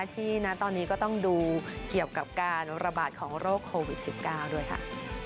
ณตอนนี้ก็ต้องดูเกี่ยวกับการระบาดของโรคโควิด๑๙ด้วยค่ะ